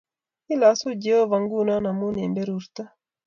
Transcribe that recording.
Kilosu Jehovah nguno amun en berurto